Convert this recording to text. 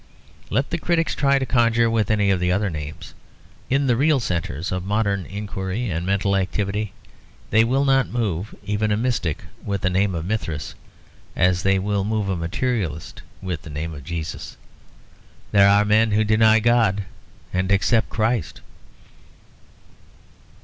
Let the critics try to conjure with any of the other names. In the real centres of modern inquiry and mental activity, they will not move even a mystic with the name of Mithras as they will move a materialist with the name of Jesus. There are men who deny God and accept Christ.